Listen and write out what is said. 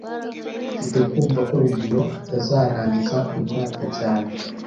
Mfite kumva ko Rugwiro atazarangiza uyu mwaka cyane